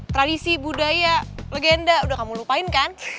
tradisi budaya legenda udah kamu lupain kan